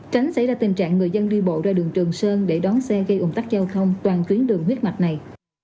tránh xảy ra tình trạng người dân đi bộ ra đường trường sơn để đón xe gây ủng tắc giao thông toàn tuyến đường huyết mạch này